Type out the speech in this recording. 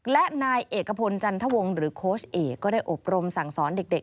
และนายเอกพลจันทวงศ์หรือโค้ชเอกก็ได้อบรมสั่งสอนเด็ก